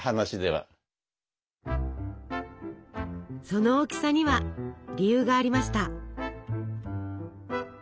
その大きさには理由がありました。